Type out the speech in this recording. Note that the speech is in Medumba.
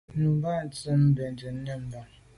Nummb’a ta tsemo’ benntùn nebame.